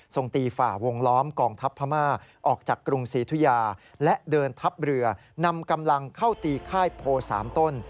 ตีฝ่าวงล้อมกองทัพพม่าออกจากกรุงศรีธุยาและเดินทัพเรือนำกำลังเข้าตีค่ายโพ๓ต้น